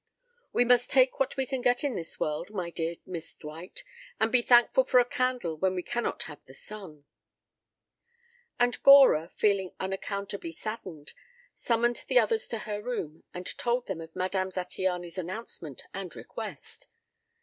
We must take what we can get in this world, my dear Miss Dwight, and be thankful for a candle when we cannot have the sun." And Gora, feeling unaccountably saddened, summoned the others to her room and told them of Madame Zattiany's announcement and request.